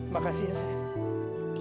makasih ya sayang